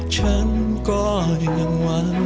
ฉันก็ยังหวั่นไหว